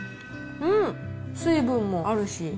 うん、水分もあるし。